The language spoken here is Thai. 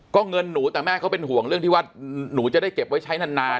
ก็เงินหนูแต่แม่เขาเป็นห่วงเรื่องที่ว่าหนูจะได้เก็บไว้ใช้นาน